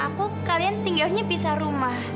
aku kalian tinggalnya pisah rumah